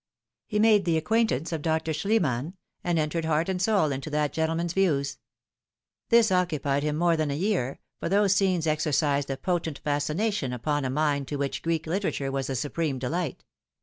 He made the acquaintance of Dr. Schliemann, and entered heart and soul into that gentleman's views. This occupied him more than a year, for those scenes exercised a potent fascination upon a mind to which Greek literature was the supreme delight.